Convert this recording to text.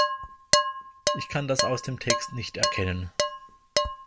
Ich kann das aus dem Text nicht erkennen.